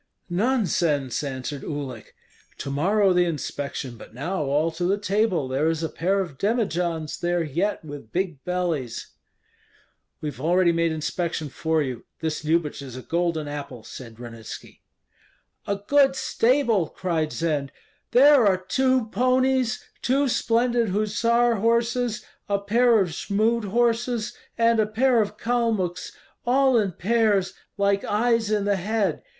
"Nonsense!" answered Uhlik. "To morrow the inspection, but now all to the table; there is a pair of demijohns there yet with big bellies." "We have already made inspection for you. This Lyubich is a golden apple," said Ranitski. "A good stable!" cried Zend; "there are two ponies, two splendid hussar horses, a pair of Jmud horses, and a pair of Kalmuks, all in pairs, like eyes in the head.